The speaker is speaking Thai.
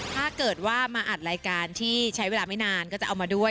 ถ้าเกิดว่ามาอัดรายการที่ใช้เวลาไม่นานก็จะเอามาด้วย